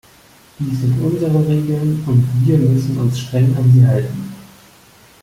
Dies sind unsere Regeln, und wir müssen uns streng an sie halten.